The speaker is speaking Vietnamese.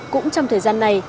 cũng trong thời gian này